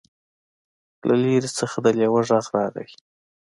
له لرې نه د لیوه غږ راغی.